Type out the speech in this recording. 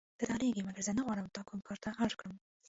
ته ډارېږې مګر زه نه غواړم تا کوم کار ته اړ کړم.